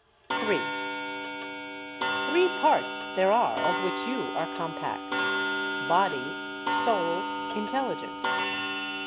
3. Three parts there are of which you are compact; body, soul, intelligence.